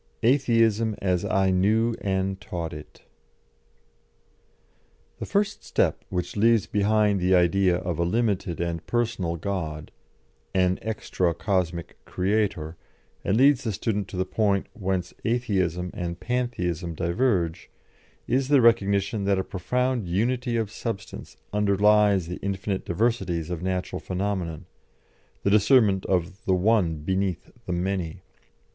ATHEISM AS I KNEW AND TAUGHT IT. The first step which leaves behind the idea of a limited and personal God, an extra cosmic Creator, and leads the student to the point whence Atheism and Pantheism diverge, is the recognition that a profound unity of substance underlies the infinite diversities of natural phenomena, the discernment of the One beneath the Many.